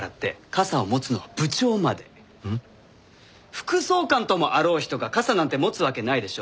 副総監ともあろう人が傘なんて持つわけないでしょ。